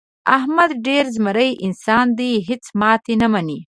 احمد ډېر زمری انسان دی. هېڅ ماتې نه مني.